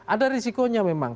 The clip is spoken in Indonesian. ada risikonya memang